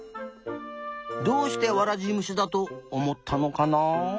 どうしてワラジムシだとおもったのかな。